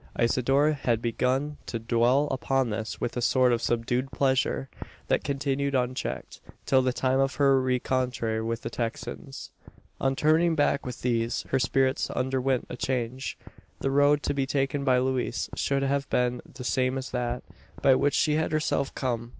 Isidora had begun to dwell upon this with a sort of subdued pleasure; that continued unchecked, till the time of her rencontre with the Texans. On turning back with these, her spirits underwent a change. The road to be taken by Louise, should have been the same as that, by which she had herself come.